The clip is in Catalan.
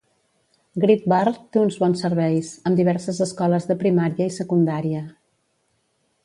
Great Barr té uns bons serveis, amb diverses escoles de primària i secundària.